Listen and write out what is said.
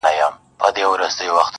چي هغه ستا سيورى له مځكي ورك سو_